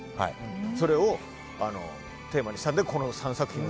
それをテーマにしたのでこの３作品を。